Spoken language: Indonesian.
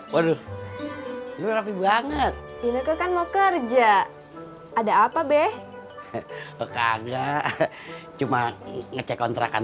waduh lu rapi banget ini kekan mau kerja ada apa beh kagak cuma ngecek kontrakan aja